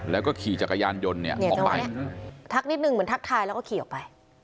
แล้วก็ขี่จักรยานยนต์เนี่ยออกไปทักนิดนึงเหมือนทักทายแล้วก็ขี่ออกไป